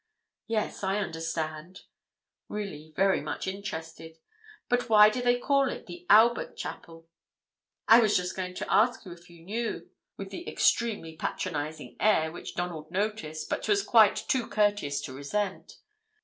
"Yes, I understand," really very much interested; "but why do they call it the Albert Chapel?" "I was just going to ask you if you knew," with an extremely patronizing air, which Donald noticed, but was quite too courteous to resent.